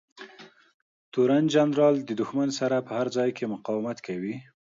تورن جنرال د دښمن سره په هر ځای کې مقاومت کوي.